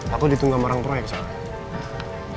aku ditunggu sama orang pro ya sama sama